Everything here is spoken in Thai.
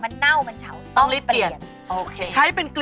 ดอกไม้หอม